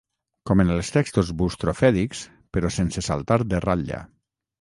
Com en els textos bustrofèdics però sense saltar de ratlla.